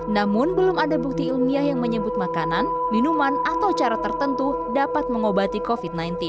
namun belum ada bukti ilmiah yang menyebut makanan minuman atau cara tertentu dapat mengobati covid sembilan belas